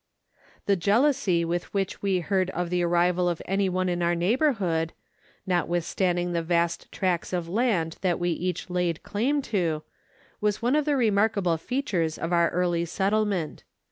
The jealousy with which we heard of the arrival of any one in our neighbourhood, notwithstanding the vast tracts of land that we each laid claim to, was one of the remarkable features of our early settlement.